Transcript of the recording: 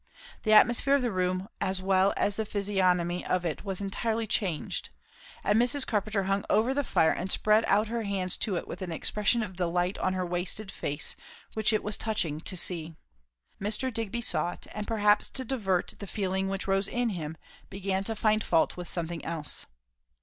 The atmosphere of the room as well as the physiognomy of it was entirely changed; and Mrs. Carpenter hung over the fire and spread out her hands to it with an expression of delight on her wasted face which it was touching to see. Mr. Digby saw it, and perhaps to divert the feeling which rose in him, began to find fault with something else.